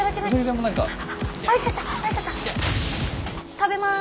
食べます。